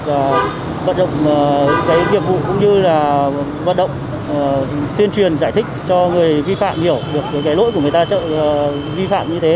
và vận động cái nghiệp vụ cũng như là vận động tuyên truyền giải thích cho người vi phạm hiểu được cái lỗi của người ta vi phạm như thế